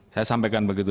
saya sampaikan begitu